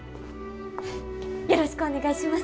よろしくお願いします！